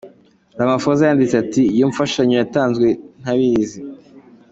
Ramaphosa yanditse ati:"Iyo mfashanyo yatanzwe ntabizi.